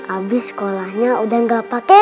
abi sekolahnya udah gak pake